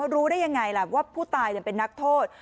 รู้ได้ยังไงล่ะว่าผู้ตายเป็นนักโทษ